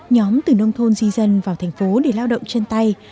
nhóm từ nông thôn di dân vào thành phố để lao động chân tay